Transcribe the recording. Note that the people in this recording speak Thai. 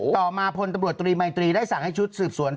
ต่อมาพลตำรวจตรีมัยตรีได้สั่งให้ชุดสืบสวน